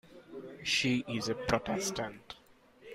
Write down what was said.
She is a Protestant.